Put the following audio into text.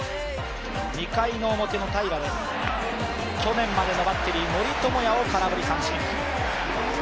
２回の表の平良去年までのバッテリー、森友哉を空振り三振。